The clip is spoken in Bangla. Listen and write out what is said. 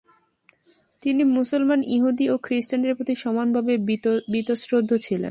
তিনি মুসলমান, ইহুদি ও খ্রিস্টানদের প্রতি সমানভাবে বীতশ্রদ্ধ ছিলেন।